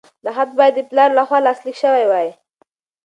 دا خط باید د پلار لخوا لاسلیک شوی وای.